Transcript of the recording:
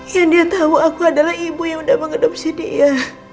yang dia tahu aku adalah ibu yang udah mengadopsi dia